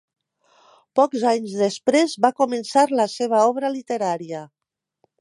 Pocs anys després va començar la seva obra literària.